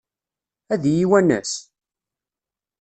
Ad iyi-iwanes?